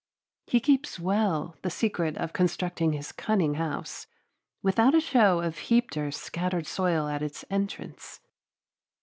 He keeps well the secret of constructing his cunning house, without a show of heaped or scattered soil at its entrance.